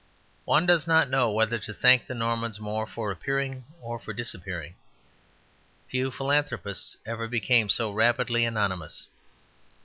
One does not know whether to thank the Normans more for appearing or for disappearing. Few philanthropists ever became so rapidly anonymous.